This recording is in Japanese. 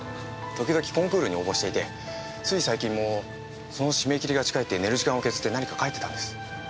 時々コンクールに応募していてつい最近もその締め切りが近いって寝る時間を削って何か書いてたんです。